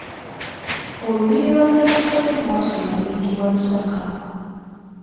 Olubiri lwa Namasole mwasula luyitibwa Lusaka.